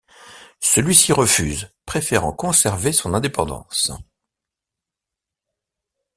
Celui-ci refuse, préférant conserver son indépendance.